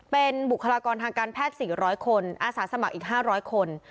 เป็นบุคลากรทางการแพทย์๔๐๐คนอาสาสมัครอีก๕๐๐คน